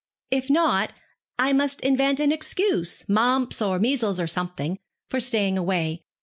If not, I must invent an excuse mumps, or measles, or something for staying away.